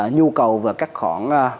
nhu cầu về các khoản